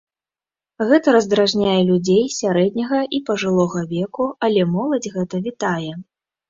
Гэта раздражняе людзей сярэдняга і пажылога веку, але моладзь гэта вітае.